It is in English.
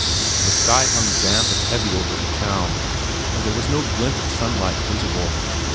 The sky hung damp and heavy over the town, and there was no glint of sunlight visible.